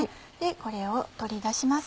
これを取り出します